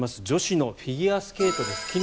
女子のフィギュアスケートです。